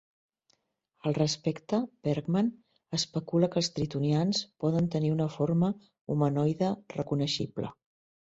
Al respecte, Bergman especula que els tritonians poden tenir una forma humanoide reconeixible.